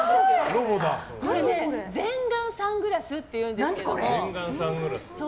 これね、全顔サングラスっていうんですけども。